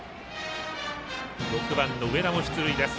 ６番の上田も出塁です。